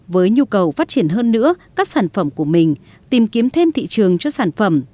với nhu cầu phát triển hơn nữa các sản phẩm của mình tìm kiếm thêm thị trường cho sản phẩm